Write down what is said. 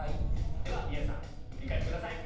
では宮治さん振り返ってください。